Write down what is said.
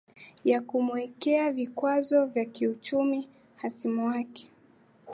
ya kumuwekea vikwazo vya kiuchumi hasimu wake